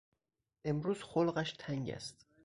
امروز خلقش تنگ است.